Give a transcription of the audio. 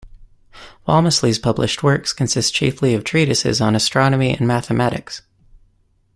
Walmesley's published works consist chiefly of treatises on astronomy and mathematics.